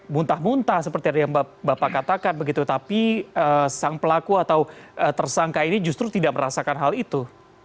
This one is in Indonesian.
muntah muntah seperti yang bapak katakan begitu tapi sang pelaku atau tersangka ini justru tidak merasakan hal itu